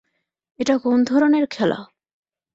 এটা কোন ধরনের খেলা?